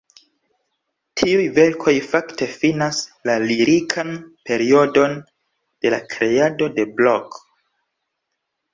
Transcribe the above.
Tiuj verkoj fakte finas la lirikan periodon de la kreado de Blok.